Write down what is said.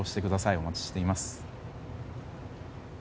お待ちしています。